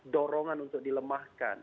dorongan untuk dilemahkan